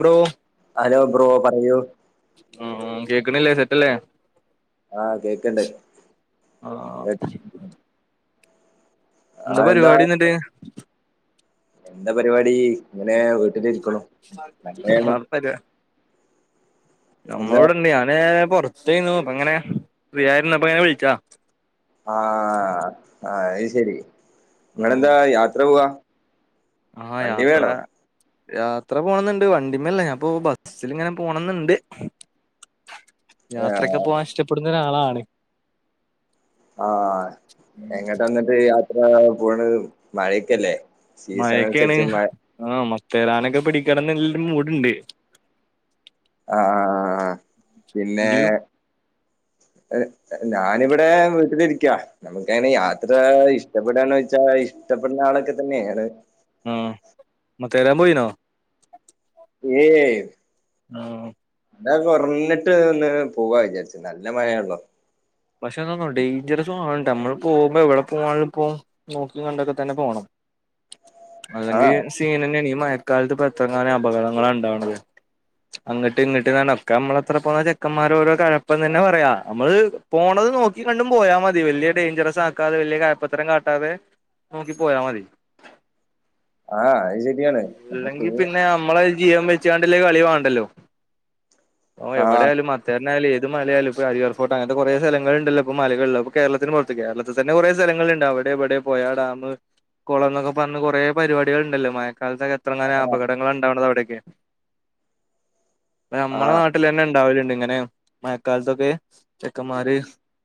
Bro hello bro പറയൂ ഉം ഉം കേക്ക്ണില്ലേ സെറ്റല്ലേ ആ കേക്ക്ണ്ട് ആ എന്താ പരിപാടിന്നട്ട് എന്താ പരിപാടി ഇങ്ങനെ വീട്ടിലിരിക്ക്ണു മഴയാണ് [unintelligible] നമ്മള് എന്താ ഇവടെണ്ട് ഞാന് പൊർത്തെന്നു അപ്പൊ അങ്ങനെ ഫ്രീയായിരുന്നപ്പൊ ങ്ങെ വിളിച്ചാ ആഹ് അയ്‌ ശരി നിങ്ങളെന്താ യാത്ര പോവാ ആ വണ്ടി യാത്ര വേണോ യാത്ര പോണംന്ന്ണ്ട് വണ്ടിമ്മല്ല ഞാൻ പ്പൊ ബസ്സിൽ ഇങ്ങനെ പോണന്ന്ണ്ട് യാത്രക്കെ പോവാൻ ഇഷ്ടപ്പെടുന്നരാളാണ് ആ എങ്ങട്ട ന്നട്ട് യാത്ര പോണ മഴക്കല്ലേ മഴൊക്കെണ് ആ മത്തേരാനൊക്കെ പിടിക്കണംന്ന്ൽ മൂട്ണ്ട് ആ ആ ആ പിന്നെ ഇജ്ജ് ഞാനിവിടെ വീട്ടിലിരിക്കാ നമുക്ക് അങ്ങനെ യാത്ര ഇഷ്ട എവിടെണോ വെച്ചാ ഇഷ്ടപ്പെടുന്ന ആളൊക്കെ തന്നെണ് ആഹ് മത്തെരാൻ പോയിനോ ഏയ്‌ ആഹ് മഴ കൊർഞ്ഞിട്ട് ഒന്ന് പോവാ വിചാരിച്ചു നല്ല മയേണള്ളോ പക്ഷെ എന്താന്ന ഡേയ്ഞ്ചറസാ നമ്മൾ പോവ്മ്പോ എവ്ടെ പോ ഇപ്പോ നോക്കി കണ്ടൊക്കെ തന്നെ പോണം ആഹ് അല്ലെങ്കിൽ സീനന്നെണ് ഈ മഴക്കാലത്ത് ഇപ്പ എത്രങ്ങാനാ അപകടങ്ങളാ ഇണ്ടാവണത് അങ്ങട്ട് ഇങ്ങട്ട്ന്ന ഒക്കെ നമ്മളെത്ര പോന്ന ചെക്കന്മാരോഓരോ! ! ! ! ! ! ! ! ! ! തന്നെ പറയാം നമ്മള് പോണത് നോക്കി കണ്ടും പോയാൽ മതി വല്യ ഡേയ്‌ഞ്ചറസ് ആക്കാതെ വല്യ! ! ! ! ! ! ! ! ! ! കാട്ടാതെ നോക്കി പോയ മതി ആഹ് അയ് ഷ ഇല്ലെങ്കി പിന്നെ നമ്മളെ ജീവൻ വെച്ചാണ്ട്ള്ള കളി വാണ്ടല്ലോ ഓ ആഹ് എവടെയാലും ഇത് അറ്ഞ്ഞാല് ഏത് മലാലും ഇപ്പൊ അരിയർ ഫോട്ട് അങ്ങത്തെ കുറെ സ്ഥലങ്ങള ഉണ്ടല്ലോപ്പ മലകളിൽ അപ്പാ കേരളത്തിന് കേരളത്തിൽ തന്നെ കൊറേ സ്ഥലങ്ങളുണ്ട് അവിടെ ഇവിടെ പോയാ ഡാാം കുളം എന്നൊക്കെ പറഞ്ഞ് കുറേ പരിപാടികൾ ഉണ്ടല്ലോ മ കാലത്തൊക്കെ എത്രങ്ങനെ ആഹ് അപകടങ്ങൾ ഉണ്ടാവുന്നത് അവിടക്കെ നമ്മളെ ആഹ് നാട്ട വീട്ടിൽ തന്നെ ഉണ്ടാവലുണ്ട് ഇങ്ങനെ മഴക്കാലത്തൊക്കെ ചെക്കന്മാര്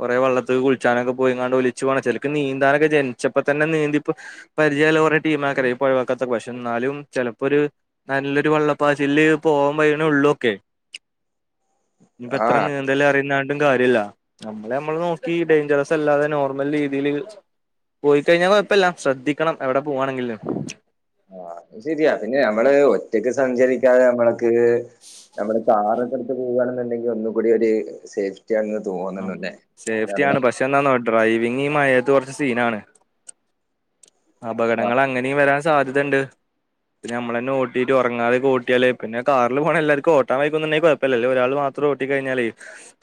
കൊറെേ വള്ളത്തി കുളിച്ചാനൊക്കെ പോയി ങ്ങാണ്ട് ഒലിച്ച് പൊണ ചെലക്ക് നീന്താനൊക്കെ ജനിച്ചപ്പോ തന്നെ നീന്തിപ്പ പരിചയള്ളെ കൊറേ ടീമാക്കാരം ഈ പൊഴവക്കത്തൊക്കെ പശ് എന്നാലും ചെലപ്പാെര് നല്ലൊരു വെള്ളപ്പാച്ചിൽല് പോവാൻ വയ്യ്ണേ ഉള്ളൂ ഒക്കേ ഞ്ഞ്പ്പെത്രെ ആഹ് നേ എല്ലാം അറിയ്ന്നാണ്ടും കാര്യല്ല നമ്മള് നമ്മളെ നോക്കി ഡേയ്ഞ്ചെറസല്ലാതെ നോർമൽ രീതീല് പോയിക്കയ്ഞ്ഞാ കാെയപ്പല്ല ശ്രദ്ധിക്കണം എവടെ പോവാണെങ്കിലും ആഹ് അത് ശെരിയാ അതിന് നമ്മള് ഒറ്റക്ക് സഞ്ചരിക്കാതെ അമ്മൾക്ക് നമ്മള് കാറൊക്കെട്ത്ത് പോവാണ്ന്ന്ണ്ടെങ്കി ഒന്നും കൂടി ഒര് സേഫ് റ്റ്യാങ്ങ് തോന്നണംലേ കാര്ണം ന്താന്നോ ഡ്രൈവിംഗ് ഈ മഴയത്ത് കൊർച്ച് സീനാണ് ആഹ് അപകടങ്ങള് അങ്ങനീം വരാൻ സാധ്യതണ്ട് പിന്നെ നമ്മളെന്നെ ഓട്ടീട്ട് ഒറെങ്ങാതെ ഓട്ട്യാല് പിന്നെ കാറ്ല് പോണെ എല്ലാര്ക്കും ഓട്ടാൻ വെയ്ക്കുന്ന്ണ്ടെങ്കി കൊയ പ്പല്ല ല്ലേ ഒരാള് മാത്രം ഓട്ടി കഴിഞ്ഞാലേ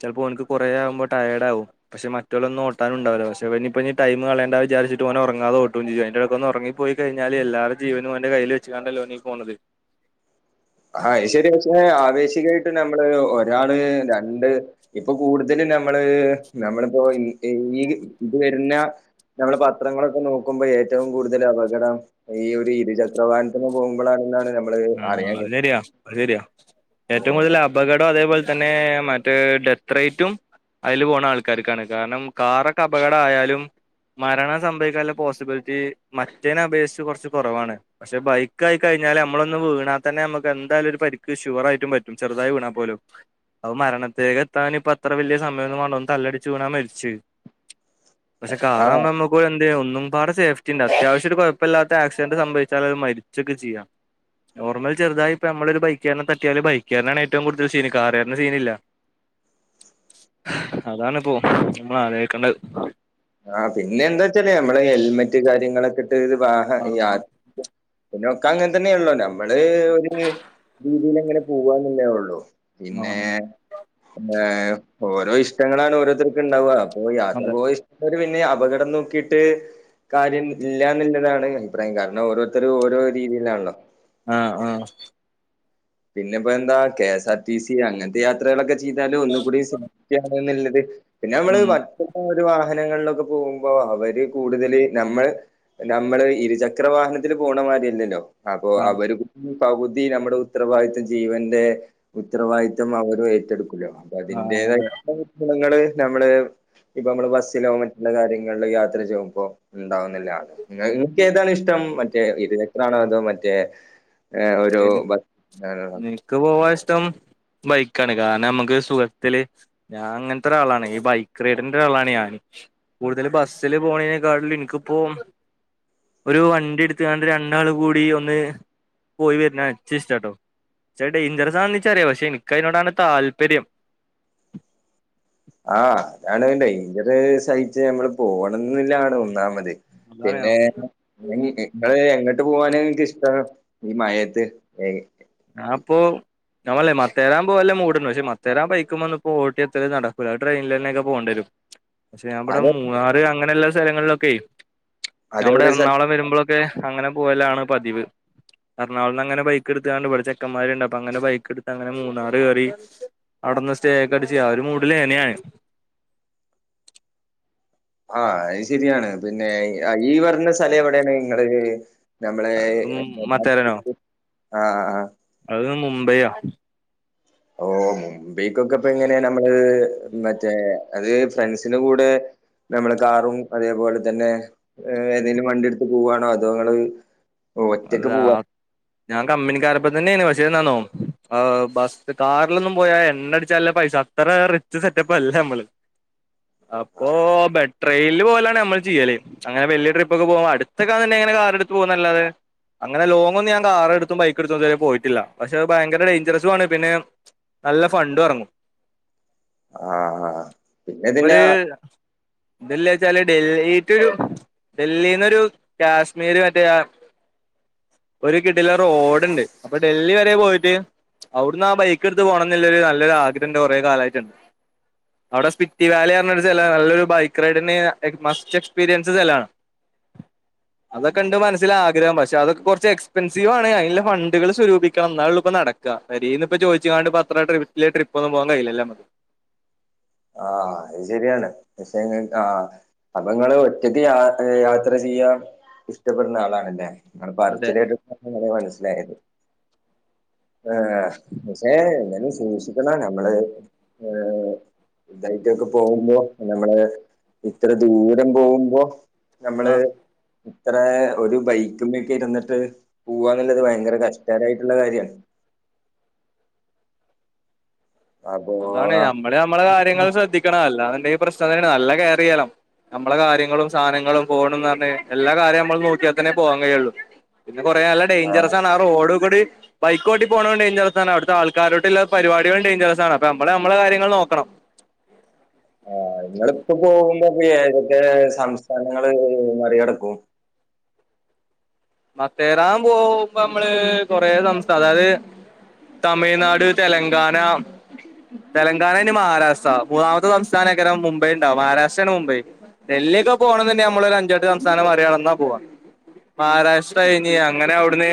ചെൽപ്പോ ഓൻക്ക് കൊറേ ആവുമ്പം ടയേഡാവും പഷേ മറ്റോലൊന്നും ഓട്ടാനുണ്ടാവൂലാ പക്ഷെ ഇവനിപ്പഞ്ഞ് ടൈമ് കളണ്ടാ വിചാരിച്ച്ട്ട് ഓനാെറങ്ങാതെ ഓ കുചെയ്യും അയിന്റെ ഇടക്ക് ഉറങ്ങി പോയികഴിഞ്ഞാല് എല്ലരുടെ ജീവനും ഓന്റെ കയ്യിൽ വെച്ചുക്കാണ്ടല്ലോ ഒന്ന് പോണത് ആത് ശരിയാ പക്ഷെ ആവേശികായിട്ട് നമ്മള് ഒരാള് രണ്ട് ഇപ്പൊ കൂടുതലും നമ്മള് നമ്മളിപ്പോ ഈ ഇത് വരുന്ന നമ്മള് പത്രങ്ങളൊക്കെ നോക്കുമ്പോ ഏറ്റവും കൂടുതൽ അപകടം ഈ ഒരു ഇരുചക്ര വാഹനത്തിന്ന് പോകുമ്പോളാണെന്നാണ് ന ആ അത് ശരിയാ അത് ശരിയാ ഏറ്റവും കഴിയുന്നത് കൂടുതൽ അപകടം അതേപോലെ തന്നെ മറ്റ് ഡെത്ത് റേറ്റും അയില് പോണ ആൾക്കാര്ക്കാണ് കാരണം കാറൊക്കെ അപകട ആയാലും മരണ സംഭവിക്കാനുള്ള പോസിബിലിറ്റി മറ്റേനെ അപേക്ഷിച്ച് കുറച്ച് കുറവാണ് പക്ഷെ ബൈക്കായി കഴിഞ്ഞാല് നമ്മളൊന്ന് വീണാത്തന്നെ മ്മക്ക് എന്തായാലും പരിക്ക് ഷുവർ ആയിട്ട് പറ്റും, ചെറുതായി വീണാൽ പോലും. അപ്പൊ മരണത്തേക്ക് എത്താൻ ഇപ്പ അത്ര വലിയ സമയം വേണ്ട തലയടിച്ച് വീണാ മരിച്ച് പക്ഷേ ആ കാറാന്നള്ളു [unintelligible] ഒന്നും പാടെ സേഫ്റ്റിണ്ട് അത്യാവശ്യം ഒരു കുഴപ്പല്ലാത്ത ആക്സിഡന്റ് സംഭവിച്ചൽ അത് മരിച്ചൊക്കെ ചെയ്യാം നോർമലി ചെറുതായിപ്പ നമ്മളൊരു ബൈക്കാരനെ തട്ടിയാല് ബൈക്കുകാരനാണ് ഏറ്റവും കൂടുതൽ സീന്, കാറുകാരന് സീനില്ല. അതാണിപ്പോ നമ്മള് ആലോയിക്കണ്ടത് ആഹ് പിന്നെ എന്താ വെച്ചാലേ നമ്മള് ഹെൽമെറ്റ് കാര്യങ്ങളൊക്കെ ഇട്ട്ത് വാഹ ആഹ് യാ പിന്നെ ഒക്ക അങ്ങനെതന്നെയാണല്ലോ, നമ്മള് ഒതുങ്ങി രീതിയിൽ എങ്ങനെ പോവാന്നല്ലേ ഉള്ളൂ പിന്നെ ആണ് ഓരോ ഇഷ്ടങ്ങളാണ് ഓരോരുത്തർക്കും ഇണ്ടാവ ഓ യാത്ര അതെ പോയി [unintelligible] പിന്നെ അപകടം നോക്കിയിട്ട് കാര്യം ഇല്ലന്നുള്ളതാണ് അഭിപ്രായം കാരണം ഓരോരുത്തരും ഓരോ രീതിയിലാണല്ലോ ആഹ ആഹ പിന്നെ ഇപ്പോ എന്താ കെഎസ് ആർ ടി സി അങ്ങനത്തെ യാത്രകളൊക്കെ ചെയ്താല് ഒന്നും കൂടി [unintelligible] ഉള്ളത് പിന്നെ നമ്മള് ഉം [unintelligible] ഒരു വാഹനങ്ങളിലൊക്കെ പോകുമ്പോ അവര് കൂടുതല് നമ്മൾ നമ്മള് ഇരുചക്ര വാഹനത്തില് പോണമാതിരില്ലല്ലോ, അപ്പൊ ആഹ് അവര് പകുതി നമ്മുടെ ഉത്തരവാദിത്തം ജീവന്റെ ഉത്തരവാദിത്വം അവരു ഏറ്റെടുക്കല്ലോ അപ്പൊ ആഹ് അതെ അതിന്റേതായിട്ട ണ്ണ്ങ്ങള് നമ്മളെ ഇപ്പൊ നമ്മള് ബസ്സിലോ മറ്റുള്ള കാര്യങ്ങളിൽ യാത്ര ചെയ്യുമ്പോൾ ഉണ്ടാവുന്നില്ലാണ് [unintelligible] ഏതാണ് ഇഷ് മറ്റേ ഇരുചക്രണോ അതോ മറ്റേ ഒരു ആണോ? നിനക്ക് പോവാ ഇഷ്ടം ബൈക്കാണ് കാരണം നമ്മുക്ക് സുഖത്തില് ഞാൻ അങ്ങനത്തെ ഒരാളാണ് ഈ ബൈക്ക് റൈഡറിന്റെ ഒരാളാണ് ഞാന് കൂടുതൽ ബസ്സില് പോണെക്കാളിലും ഇന്ക്ക്പ്പോ ഒരു വണ്ടി എടുത്ത് കാണ്ട് രണ്ടാൾ കൂടി ഒന്ന് പോയി വരുന്നെ ച്ച് ഇഷ്ടാട്ടോ, ക്ഷേ ഡെയിഞ്ചറസാണെന്നെനിച്ചറിയാം, പക്ഷെ എനിക്കതിനോടാണ് താല്പര്യം. ആ അതാണ് ഡെയ്ഞ്ചർ സഹിച്ച് ഞമ്മള് പോണന്നില്ലാണ് ഒന്നാമത് പിന്നെ അതാണ് ഞ ഇങ്ങള് എങ്ങോട്ട് പോവാന ഇങ്ങക്ക് ഇഷ്ടം ഈ മഴത്ത്? ഏ ഞാപ്പൊ നമ്മളല്ല മത്തേരാം പോകൽ മൂട് ഉണ്ട്. മത്തേരാം ബൈക്ക് മന്ന് പോയിട്ട് എത്രനടക്കൂല അത് ട്രെയിനിൽന്നെക്കെപോണ്ടിരും. [inaudible] പക്ഷെ നാം ഇപടെ അത് മൂന്നാറ് അങ്ങനെയുള്ള സ്ഥലങ്ങളിലൊക്കെ ഞാം ഇവടെ അതെവിടെ സ്ഥലം എറണാകുളം വരുമ്പോള് [unintelligible] അങ്ങനെ പോലാണ് പതിവ് എറണാകുളന്ന്ങ്ങനെ ബൈക്ക എടു [unintelligible] ഇവിടെ ചെക്കന്മാരുണ്ട്, അപ്പൊ അങ്ങനെ ബൈക്ക് എടുത്ത് അങ്ങനെ മൂന്നാറ് കേറി അടന്ന് സ്റ്റേക്കെ അടിച്ച് അ ഒരു മൂടില് ന്നെ ഞാൻ ആ അത് ശരിയാണ് പിന്നെ ഈ പറഞ്ഞ സ്ഥലം എവിടെയാണ്? ഇങ്ങള് നമ്മളെ മത്തേരനോ [unintelligible] ആഹ ആ അത് മുംബൈയാ ഓ മുംബൈക്കൊക്കെ ഇപ്പ എങ്ങനെ നമ്മള് മെ [unintelligible] അത് ഫ്രണ്ട്സിന് കൂടെ നമ്മള് കാറും അതേപോലെ തന്നെ ഏതെങ്കിലും വണ്ടി എടുത്ത് പോവാണോ അതേ ങ്ങൾ അത ഞാൻ കമ്പനിക്കാരപ്പോ തന്നെന് പക്ഷേന്താന്നോ ബസ് കാറിലൊന്നും പോയാ എണ്ണ അടിച്ചാനുള്ള പൈസ അത്ര റിച്ച് സെറ്റപ്പ് അല്ല നമ്മള് അപ്പൊ ബെട്രെനില് പോലാണ് നമ്മള് ചെയ്യല് അങ്ങന വല്യ ട്രിപ്പൊക്കെ പോക്പോ അടുത്തൊക്കെ തന്നെങ്ങനെ കാറെടുത്ത് പോകാ ന്നല്ലാതെ അങ്ങനെ ലോങ് ഒന്നും ഞൻ കാർ എടുത്തും ബൈക്ക എടുത്തും തുവരെ പോയിട്ടില്ല പക്ഷെത് ഭയങ്കര ഡേഞ്ചറസു ആണ് പിന്നെ നല്ല ഫണ്ട് എറങ്ങും ആഹ ആ ഒര് എല്ലാച്ചാല് ഡൽഹിറ്റൊരു ഡൽഹിന്നൊരു കാശ്മീര് മറ്റേ ഒരു കിട്ടില റോഡുണ്ട് അപ്പൊ ഡൽഹി വരെ പോയിട്ട് അവിടുന്ന് ആ ബൈക്ക് എടുത്ത് പോണംന്നില്ല നല്ലൊരു ആഗ്രഹംന്റെ കുറെ കാലായിട്ടുണ്ട് അവിടെ സ്പിറ്റി വാലി പറഞ്ഞ ഒരു ചല നല്ലൊരു ബൈക്ക് റൈഡിന് മസ്റ്റ് എക്സ്പീരിയൻസ് സ്ഥലാ അതൊക്കണ്ട് മനസ്സിൽ ആഗ്രഹം പക്ഷെ പ അതൊക്കെ കുറച്ച് എക്സ്പെൻസീവാണ് അതിന്റെ ഫണ്ടണ്ട്കൾ സ്വരൂപിക്കണം എന്നാലുള്ളു ഇപ്പ നടക്കുക രിന്ന് ഇപ്പോ ചോയിച്ചണ്ട് പത്ര ഇല്ല ട്രിപ്പൊന്നും പോകാൻ കയ്ന്നില്ല ആഹ അത് ശരിയാണ് പക്ഷെ ആ അപ്പൊ നിങ്ങള് ഒറ്റക്ക് യാ യാത്ര ചെയ്യാൻ ഇഷ്ടപ്പെടുന്ന ആളാണല്ലേ? ങ്ങടെ അതെ പറിച്ചില് കെട്ടിട്ടാണ് ങ്ങട് മനസ്സിലായത് ആഏ പക്ഷേ ന്നാലും സൂക്ഷിക്കണം നമ്മള് ഏ ഇതായിട്ടൊക്കെ പോകുമ്പോ നമ്മള് ഇത്ര ദൂരം പോകുമ്പോ നമ്മള് ആഹ് ഇത്ര ഒരു ബൈക്കുമേക്കെ ഇരുന്നിട്ട് പൂവാന്നുള്ളത് ഭയങ്കര കഷ്ടകരമായിട്ടുള്ള കാര്യമാണ് അപ്പൊ അതാണ് ആഹ് ഞമ്മള് നമ്മെ കാര്യങ്ങൾ ശ്രദ്ധിക്കണം അല്ലാന്ന്ണ്ടെങ്കി പ്രശ്നന്നെയാണ് നല്ല കെയർ ചെയ്യണം നമ്മളെ കാര്യങ്ങളും സാധനങ്ങളും ഫോണുംന്ന് പറഞ്ഞ് എല്ലാ കാര്യം നമ്മൾ നോക്കിയത്തനെ പോവാൻ കഴിയുള്ളു പിന്നെ കുറെ നല്ല ആഹ് ഡേഞ്ചറസ് ആണ് ആ റോഡ് കൂടി ബൈക്കോട്ടി പോണോ ഡേഞ്ചറസ് ആണ് അവിടത്തെ ആൾക്കാരോട്ടുള്ള പരിപടികളും ഡേഞ്ചറസ് ആണ് നമ്മള് നമ്മള കാര്യങ്ങൾ നോക്കണം ആ നിങ്ങളിപ്പോ പോകുമ്പോ ഏതൊക്കെ സംസ്ഥാനങ്ങള് മറികടക്കും മത്തേരാൻ പോകുമ്പ നമ്മള് കൊറെ സംസ്ഥാനം അതായത് തമിഴ്നാട് തെലങ്കാന തെലങ്കാന ഇനി മഹാരാഷ്ട്ര മൂന്നാമത്തെ സംസ്ഥാനക്കരം മുംബൈ ഉണ്ടാവും മഹാരാഷ്ട്രയാണ് മുംബൈ ഡല്ലിക്കെ പോകണം തന്നെ നമ്മളൊ ഒരു അഞ്ചെട്ട് സംസ്ഥാനം മറിക്കടന്നാ പോവാ മഹാഷ്ട്ര [unintelligible] അങ്ങനെ അവിടുന്ന്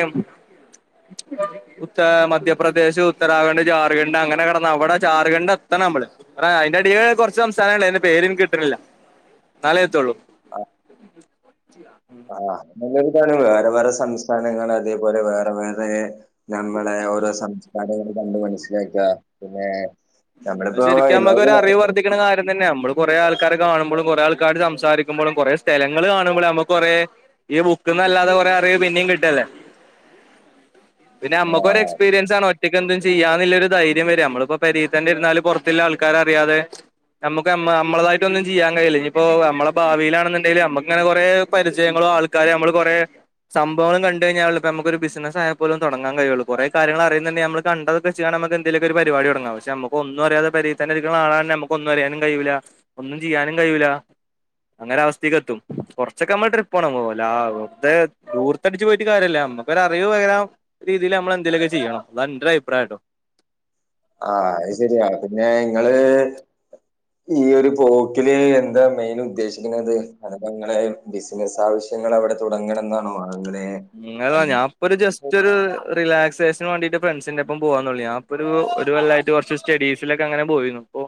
ഉത്ത മധ്യപ്രദേശ് ഉത്തരാഖണ്ഡ് ജാർഖണ്ഡ് അങ്ങനെ കിടന്ന അവിടെ ജാർഖണ്ഡ് എത്തണം നമ്മള് ആ അതിന്റടീല് കുറച്ച് സംസ്ഥാനണ്ടേ അതിന്റെ പേര്ന്ക്ക് കിട്ടണില്ല നാളെ എത്തുള്ളൂ ആ നല്ലരിതാണ് വേറെ വേറെ സംസ്ഥാനങ്ങൾ അതേപോലെ വേറെ വേറെ നമ്മളെ ഓരോ സംസ്കാരങ്ങള് കണ്ട് മനസ്സിലാക്കുക പിന്നെ നമ്മള ഇപ്പോ എല്ലാക്കെ പറഞ്ഞു ശിക്കണ കര്യം തന്നെ നമ്മൾ കൊറെ ആക്കാരെ കാണുമ്പോഴും കുറെ ആൾക്കാരോട് സംസാരിക്കുമ്പോഴും കുറേ സ്ഥലങ്ങൾ കാണുമ്പോഴേ നമ്മക്ക് കൊറെ ഈ ബുക്ക്ന്നല്ലാതെ കൊറെ അറിവ് പിന്നെയും കിട്ടല്ലേ പിന്നെ അമ്മുക്ക് ഒരു ആഹ് എക്സ്പീരിയൻസ് ആണ് ഒറ്റക്ക് എന്തും ചെയ്യാന്നുള്ളരു ധൈര്യം വരും നമ്മളിപ്പോ പെരതന്നെ എന്നാല് പൊറത്തില്ല ആൾക്കാരറിയാതെ നമുക്ക് നമ്മ നമ്മളതായിട്ട് ഒന്നും ചെയ്യാൻ കഴയില്ല നി ഇപ്പോ നമ്മുടെ ഭാവിയിലാണെന്നുണ്ടെങ്കിൽ നമ്മുക്കങ്ങനെ കുറെ പരിചയങ്ങളോ ആൾ കാര് നമ്മള് കൊറെ സംഭവങ്ങള് കണ്ട കഴിഞ്ഞൽ ഇപ്പൊ നമുക്ക് ഒരു ബിസിനസ്സായാ പോലും തൊടങ്ങാൻ കഴിയുള്ളൂ കുറെ കാര്യങ്ങൾ അറിയുന്നുണ്ടെങ്കിൽ നമ്മള് കണ്ടത് ഇപ്പ ചെയ്യാണെ എന്തേലൊക്കെ ഒരുപരിപാടി തൊടങ്ങാം പക്ഷെ നമു അപ്പൊ ഒന്നും അറിയാതെ പെരിതന്നെ ഇരിക്കുന്ന ആളായാ തന്ന നമക്ക് ഒന്നും അറിയാനും കഴിയൂല ഒന്നുചെയ്യാനും കയ്യൂല്ല അങ്ങനെ അവസ്ഥക്ക് എത്തും കുറച്ചൊക്കെ നമ്മൾ ട്രിപ്പ് പോണം പോല വെർതെ ധൂ തടിച്ചു പോയിട്ട് കാര്യല്ല നമുക്കൊരു അറിവ് പകരാം രീതിൽ നമ്മളെ ന്തെലൊക്കെ ചെയ്യണം അത എൻന്റൊരഭിപ്രായംട്ടോ ആ അഹ് ശെരിയാ പിന്നെ ഇങ്ങള് ഈയൊരു പോക്ക്ല് എന്താ മെയിനുദ്ദേശിക്ണത് അത്പ്പങ്ങളെ ബിസിനസ് ആവശ്യങ്ങൾ അവിടെ തുടങ്ങണം ന്നാണോ അങ്ങനെ ഇങ്ങളോ അല്ല ഞ്ഞാം ഒരു ജസ്റ്റ് ഒരു റിലാക്സേഷന് വേണ്ടിട്ട് ഫ്രണ്ട്സിന്റെ ഒപ്പം പോവാന്നൊള്ളി അപ്പൊരു ഒരു കൊല്ലായിട്ട് കുറച്ച് സ്റ്റഡീസിലൊക്കെ അങ്ങനെ പോയിരുന്നു അപ്പോ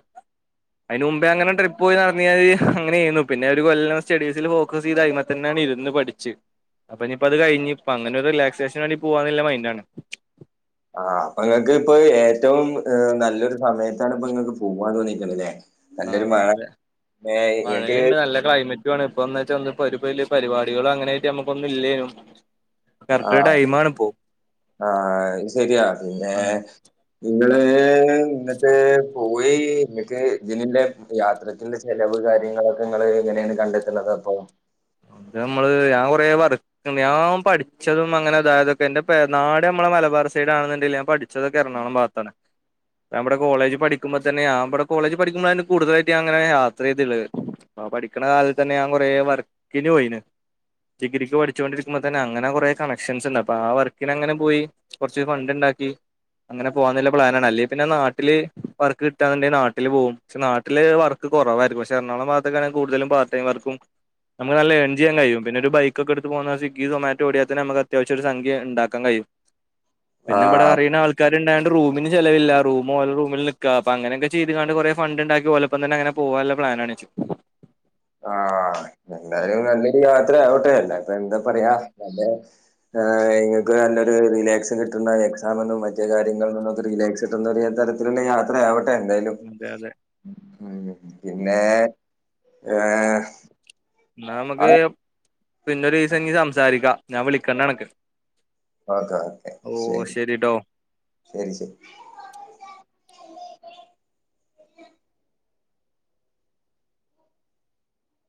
അതിന് മുമ്പേ അങ്ങനെ ട്രിപ്പ് പോയിനടന്ന് ഞാന് അങ്ങനെയ്യാരുന്ന് പിന്നേ ഒരു കൊല്ലം സ്റ്റഡീസിൽ ഫോക്കസ് ചെയ്ത് അയ്മേ തന്നെയാണ് ഇരുന്ന് പഠിച്ച്. അപ്പൊ ഇനിയിപ്പോ അത് കഴിഞ്ഞ്. പ്പൊ അങ്ങനെ ഒരു റിലാക്സേഷന് വേണ്ടി പോവാന്ന്ല്ല മൈൻഡാണ് ആഹ് അപ്പൊ നിങ്ങക്ക് ഇപ്പൊ ഏറ്റവും നല്ലൊരു സമയത്താണ് ഇപ്പ ങ്ങക്ക് പൂവാൻ തോന്നിക്കണല്ലേ ആ നല്ലൊരു മഴ പിന്നെ ഇങ്ങക്ക് ക്ലൈമറ്റ് വേണേ ഇപ്പ എന്ന്വച്ചാ [unintelligible] ഒരു വലിയ പരിപാടികൾ അങ്ങനെയായിട്ട് നമ്മുക്കൊന്നും ഇല്ലേനും കറക്റ്റ് ആഹ് ടൈമാണ് ഇപ്പോ ആഹ് ശരിയാ പിന്നെ ഇങ്ങള് ഇന്നട്ട് പോയി ഇങ്ങക്ക്തിനില്ലേ യാത്രക്ക്ല്ലെ ചെലവ് കാര്യങ്ങളൊക്കെ ഇങ്ങള് എങ്ങെനേണ് കണ്ടെത്ത്ണതപ്പോ? അത് നമ്മള് ഞാൻ കുറേ പറ ഞ്ഞാം പട്ച്ചതും അങ്ങനെതായതൊക്കെ എന്റെ പേര നാടമ്മളെ മലബാർ സൈഡാണെന്നുണ്ടെങ്കിലും ഞാൻ പഠിച്ചതൊക്ക എറണാകുളം ഭാത്താ [inaudible] നമ്മുടെ കോളേജി പടിക്കുമ്പോതന്നെ ഞ്ഞാംമ്പടെ കോളേജ് പഠിക്കുമ്പളാണ് കൂടുതലായിട്ടങ്ങനെ യാത്ര ചെയ്ത്ള്ളേ ആഹാ പഠിക്ണ കാലത്തെന്നെ ഞാൻ കൊറേ വർക്കിന് പോയിന് ഡിഗ്രിക്ക് പഠിച്ചോണ്ടിരിക്കുമ്പോ തന്നെ അങ്ങനെ കൊറേ കണക്ഷൻസ്ണ്ട് അപ്പ ആ വർക്കിനങ്ങനെ പോയി കൊറച്ച് ഫണ്ട്ണ്ടാക്കി അങ്ങനെ പോകന്ന്ല്ലേ പ്ലാനാണ് അല്ലേ പിന്നെ നാട്ടില് വർക്ക് കിട്ടാന്ണ്ടെ നാട്ടില് പോവും പക്ഷെ നാട്ടില് വർക്ക് കൊറവായിരുന്നു പക്ഷേ എറളാകുളം ഭാഗത്തെക്കാണ് കടുതലും പാർടൈം വർക്കും നമുക്ക് നല്ല ഏൺ ചെയ്യാൻ കയിയും. പിന്നൊരു ബൈക്കൊക്കെ എടുത്ത് പോന്ന സ്വിഗ്ഗി സൊമാറ്റോ ഓടിയാ തന്നെ നമുക്കത്യാവശ്യം ഒരു സംഖ്യ ഇണ്ടാക്കാൻ കയിയും. പിന്നെവിടെ ആഹ് അറിളെന് ആൾ ക്കാരുണ്ടായോണ്ട് റൂമിന് ചെലവില്ലാ റൂ ഓലെ റൂമിൽ നിക്കാ അപ്പങ്ങനൊക്ക ചെയ്താണ്ട് കൊറെ ഫണ്ട്ണ്ടാക്കി ഓലെ ഇപ്പം തന്നെ അങ്ങനെ പോവാല്ലെ പ്ലാനാണ് ആഹാ എന്തായാലും നല്ലൊരു യാത്രയാവട്ടെ അല്ലയിപ്പൊ എന്താ പറയാ നല്ല ആഹ് ഇങ്ങക്ക് നല്ലൊരു റിലാക്സും കിട്ട്ണ്ടാവും എക്സാമ്ന്നും മറ്റേ കാര്യങ്ങൾന്നു നിന്നൊക്കെ റിലാക്സ് കിട്ടുന്നൊരു തരത്തില് ഇ [unintelligible] യാത്രയാവട്ടെ എന്തായാലും അതെ അതെ പിന്നെ ഏഹേ എന്നാ നമുക്ക് പിന്നെ ഒരു ദിവസം ഇനി സംസാരിക്കാം ഞാൻ വിളിക്കണ്ട് എനക്ക് ഓക്കെ ഓക്കെ ശരി ശരി ശരി